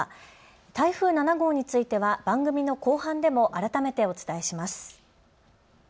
台風７号については番組の後半でも改めてお伝えします。